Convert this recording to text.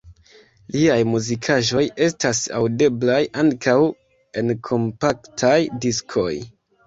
Liaj muzikaĵoj estas aŭdeblaj ankaŭ en kompaktaj diskoj.